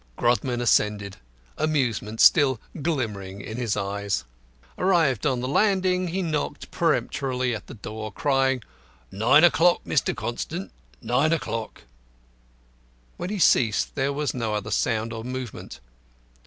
Grodman ascended, amusement still glimmering in his eyes. Arrived on the landing he knocked peremptorily at the door, crying, "Nine o'clock, Mr. Constant; nine o'clock!" When he ceased there was no other sound or movement.